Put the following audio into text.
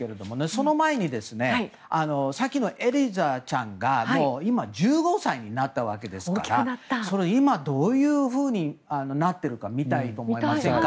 その前にさっきのエリザちゃんが１５歳になったわけですから今、どういうふうになっているか見たいと思いませんか？